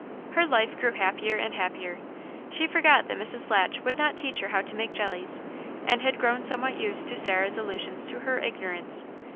Her life grew happier and happier. She forgot that Mrs. Latch would not teach her how to make jellies, and had grown somewhat used to Sarah's allusions to her ignorance.